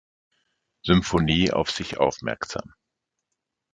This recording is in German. Symphonie auf sich aufmerksam.